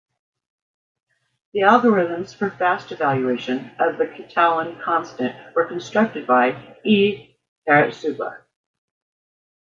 The algorithms for fast evaluation of the Catalan constant were constructed by E. Karatsuba.